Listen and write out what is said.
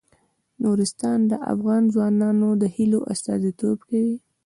نورستان د افغان ځوانانو د هیلو استازیتوب کوي.